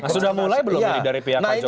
sudah mulai belum ini dari pihak pak jokowi